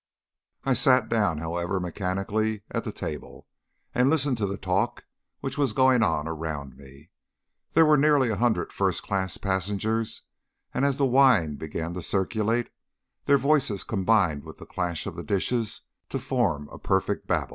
I sat down, however, mechanically at the table, and listened to the talk which was going on around me. There were nearly a hundred first class passengers, and as the wine began to circulate, their voices combined with the clash of the dishes to form a perfect Babel.